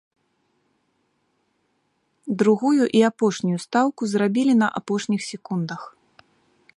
Другую і апошнюю стаўку зрабілі на апошніх секундах.